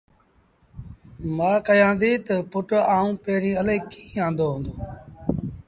مآ ڪهيآݩديٚ تا پُٽ آئوݩ پيريٚݩ اَلهيٚ ڪيٚݩ آݩدو هُݩدو